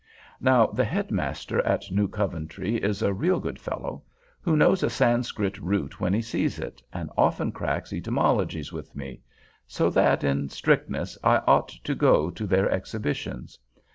Now the head master at New Coventry is a real good fellow, who knows a Sanskrit root when he sees it, and often cracks etymologies with me—so that, in strictness, I ought to go to their exhibitions.